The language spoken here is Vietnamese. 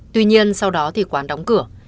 tuy nhiên sau đó thì quán đóng cửa